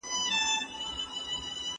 مینه او ورور ګلوی له یو او بل سره وکړی.